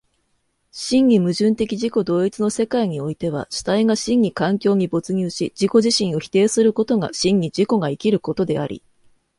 真に矛盾的自己同一の世界においては、主体が真に環境に没入し自己自身を否定することが真に自己が生きることであり、